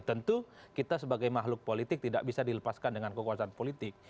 tentu kita sebagai makhluk politik tidak bisa dilepaskan dengan kekuasaan politik